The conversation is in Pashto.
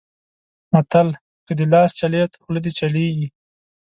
متل؛ که دې لاس چلېد؛ خوله دې چلېږي.